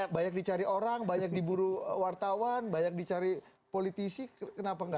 banyak dicari orang banyak diburu wartawan banyak dicari politisi kenapa nggak